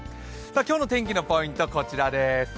今日の天気のポイント、こちらです。